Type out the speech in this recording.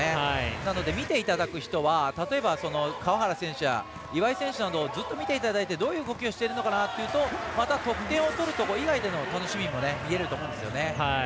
なので、見ていただく人は例えば川原選手や岩井選手などをずっと見ていただいてどういう動きをしているのかなとまた得点を取るところ以外での守備も見えると思います。